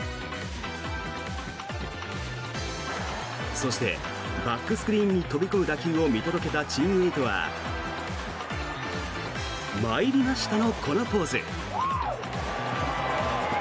そして、バックスクリーンに飛び込む打球を見届けたチームメートは参りましたの、このポーズ。